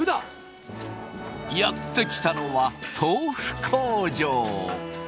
やって来たのは豆腐工場。